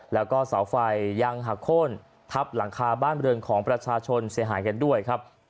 แล้วก็เสาไฟยังหักโค้นทับหลังคาบ้านบริเวณของประชาชนเสียหายกันด้วยครับ